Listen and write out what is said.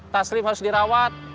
taslim harus dirawat